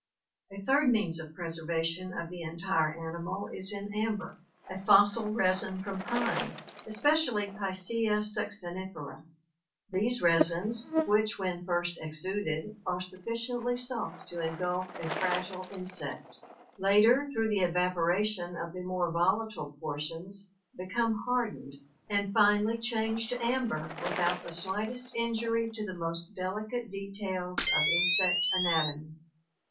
A third means of preservation of the entire animal is in amber, a fossil resin from pines, especially Picea succinifera. These res ins, which when first exuded are sufficiently soft to engulf a fragile insect, later through the evaporation of the more volatile portions Ji S3 FOSSILS: THEIR NATURE AND INTERPRETATION 411 ^(\ I; C, caddice fly; D, become hardened and finally change to amber without the slightest injury to the most delicate details of insect anatomy.